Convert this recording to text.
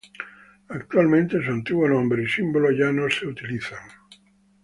Actualmente su antiguo nombre y símbolo ya no se utilizan.